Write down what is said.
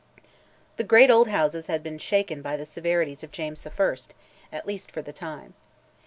The great old Houses had been shaken by the severities of James I., at least for the time.